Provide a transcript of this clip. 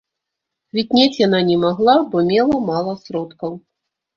Квітнець яна не магла, бо мела мала сродкаў.